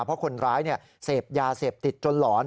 เพราะคนร้ายเสพยาเสพติดจนหลอน